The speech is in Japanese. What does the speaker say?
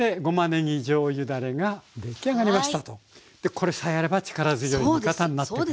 これさえあれば力強い味方になってくれる。